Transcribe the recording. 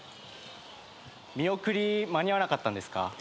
見送り間に合わなかったんですか？